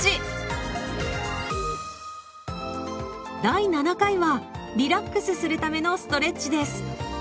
第７回はリラックスするためのストレッチです。